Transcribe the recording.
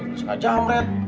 bisa gak jam red